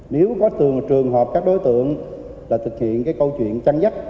nếu có trường hợp các đối tượng là thực hiện câu chuyện chăn giắc